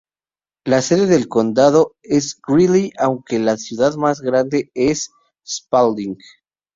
La sede del condado es Greeley aunque la ciudad más grande es Spalding.